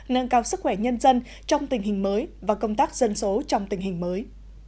nâng cao sức khỏe nhân dân trong tình hình mới và công tác dân số trong tình hình mới